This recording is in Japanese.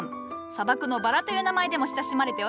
「砂漠のバラ」という名前でも親しまれておる。